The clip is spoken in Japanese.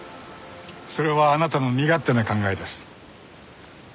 それはあなたの身勝手な考えです。